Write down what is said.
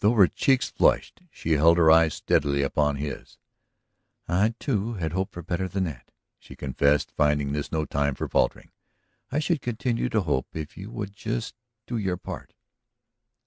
Though her cheeks flushed, she held her eyes steadily upon his. "I, too, had hoped for better than that," she confessed, finding this no time for faltering. "I should continue to hope if you would just do your part."